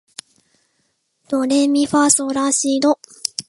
ドレミファソラシド